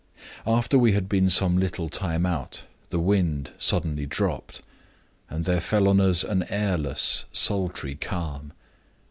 "After we had been some little time out, the wind suddenly dropped, and there fell on us an airless, sultry calm.